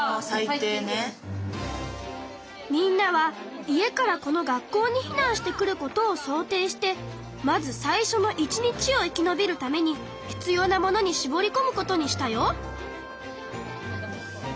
みんなは家からこの学校に避難してくることを想定してまず最初の１日を生きのびるために必要なものにしぼりこむことにしたよ。